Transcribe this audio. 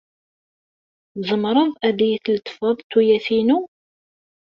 Tzemreḍ ad iyi-tletfeḍ tuyat-inu?